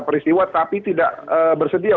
peristiwa tapi tidak bersedia